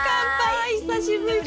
久しぶり。